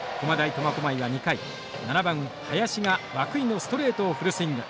苫小牧は２回７番林が涌井のストレートをフルスイング。